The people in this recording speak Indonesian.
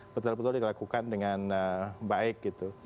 betul betul dilakukan dengan baik gitu